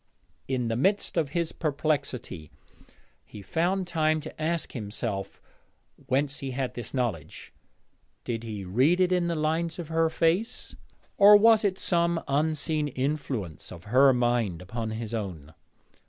In the midst of his perplexity he found time to ask himself whence he had this knowledge. Did he read it in the lines of her face, or was it some unseen influence of her mind upon his own?